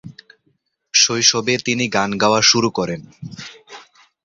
শৈশবে তিনি গান গাওয়া শুরু করেন।